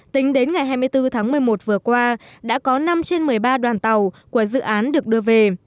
tính đến ngày hai mươi bốn tháng một mươi một vừa qua đã có năm trên một mươi ba đoàn tàu của dự án được đưa về